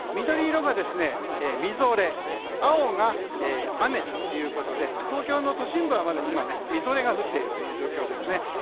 緑色がみぞれ青が雨ということで東京の都心部はまだみぞれが降っている状況ですね。